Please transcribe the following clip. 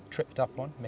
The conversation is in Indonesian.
kita tahu apa yang kita